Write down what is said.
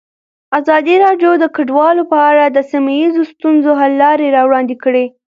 ازادي راډیو د کډوال په اړه د سیمه ییزو ستونزو حل لارې راوړاندې کړې.